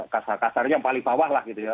kasar kasarnya yang paling bawah lah gitu ya